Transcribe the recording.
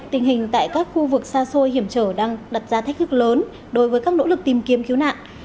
tình hình tại các khu vực xa xôi hiểm trở đang đặt ra thách thức lớn đối với các nỗ lực tìm kiếm cứu nạn